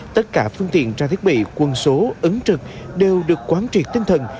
tất cả phương tiện tra thiết bị quân số ứng trực đều được quán triệt tinh thần